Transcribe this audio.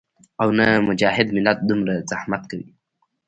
او نۀ مجاهد ملت دومره زحمت کوي